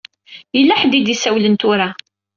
Yella ḥedd i d-isawlen tura.